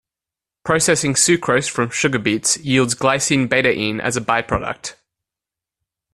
Processing sucrose from sugar beets yields glycine betaine as a byproduct.